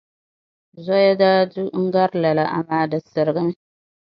Zoya daa du n-gari lala, amaa di sirigimi.